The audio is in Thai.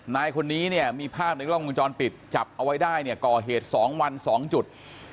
นายคนนี้เนี่ยมีภาพในกล้องวงจรปิดจับเอาไว้ได้เนี่ยก่อเหตุ๒วัน๒จุด